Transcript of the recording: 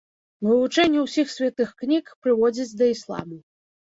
Вывучэнне ўсіх святых кніг прыводзіць да ісламу.